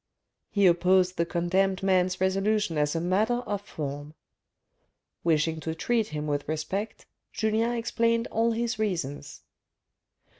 He opposed the condemned man's resolution as a matter of form. Wishing to treat him with respect, Julien explained all his reasons.